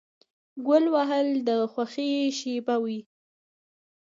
ګول وهل د خوښۍ شیبه وي.